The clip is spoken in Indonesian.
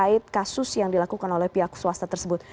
dan diberikan kemampuan untuk menerima uang dari pihak swasta tersebut